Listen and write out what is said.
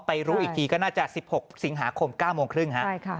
รู้อีกทีก็น่าจะ๑๖สิงหาคม๙โมงครึ่งฮะ